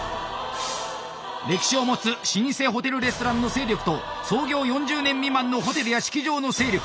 歴史を持つ老舗ホテルレストランの勢力と創業４０年未満のホテルや式場の勢力。